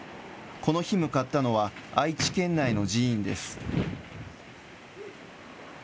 この日向かったのは、愛知県内の寺院です。